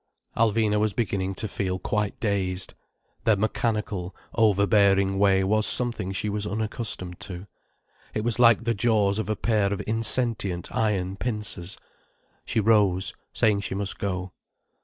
Alvina was beginning to feel quite dazed. Their mechanical, overbearing way was something she was unaccustomed to. It was like the jaws of a pair of insentient iron pincers. She rose, saying she must go.